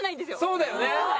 そうだよね。